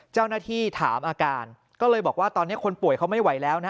เจ้าหน้าที่ถามอาการก็เลยบอกว่าตอนนี้คนป่วยเขาไม่ไหวแล้วนะ